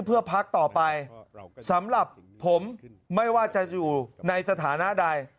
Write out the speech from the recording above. เพื่อพักต่อไปสำหรับผมไม่ว่าจะอยู่ในสถานะใด